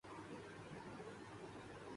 یہ فلمیں پاکستانی سینما گھروں میں ضرور دیکھیں